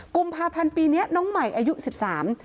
กุมภาพันธ์ปีเนี้ยน้องใหม่อายุสิบสาม